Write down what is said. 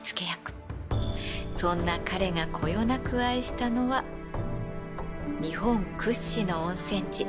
そんな彼がこよなく愛したのは日本屈指の温泉地